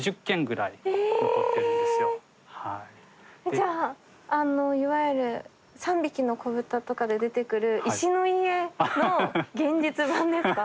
じゃあいわゆる「三匹のこぶた」とかで出てくる石の家の現実版ですか？